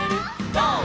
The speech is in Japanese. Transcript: ゴー！」